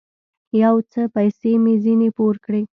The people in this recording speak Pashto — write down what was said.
يو څه پيسې مې ځنې پور کړې.